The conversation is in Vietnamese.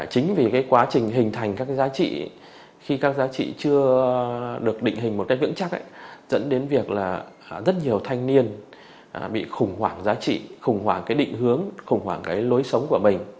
chính vì cái quá trình hình thành các cái giá trị khi các giá trị chưa được định hình một cách vững chắc dẫn đến việc là rất nhiều thanh niên bị khủng hoảng giá trị khủng hoảng cái định hướng khủng hoảng cái lối sống của mình